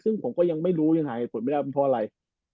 ซึ่งผมก็ยังไม่รู้ยังหาเหตุผลไม่ได้เป็นเพราะอะไร